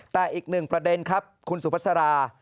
แต่อีกหนึ่งประเด็นครับคุณสุภาษารา